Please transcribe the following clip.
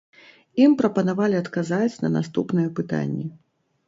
Ім прапанавалі адказаць на наступныя пытанні.